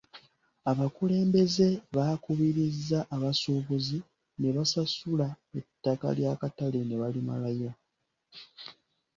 Abakulembeze baakubiriza abasuubuzi ne basasula ettaka ly'akatale ne balimalayo.